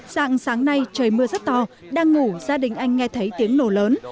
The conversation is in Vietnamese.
dạng sáng nay trời mưa rất to đang ngủ gia đình anh nghe thấy tiếng nổ lớn